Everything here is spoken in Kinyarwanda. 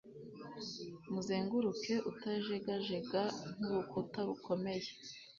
Muzenguruke utajegajega nkurukuta rukomeye